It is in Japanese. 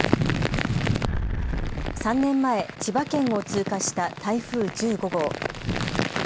３年前、千葉県を通過した台風１５号。